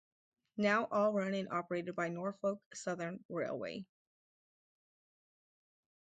Now all run and operated by Norfolk Southern Railway.